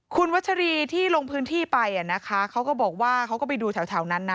คุณวัชรีที่ลงพื้นที่ไปนะคะเขาก็บอกว่าเขาก็ไปดูแถวนั้นนะ